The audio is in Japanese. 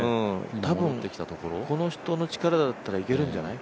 多分この人の力だったら、いけるんじゃない？